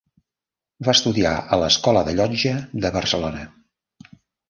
Va estudiar a l'Escola de Llotja de Barcelona.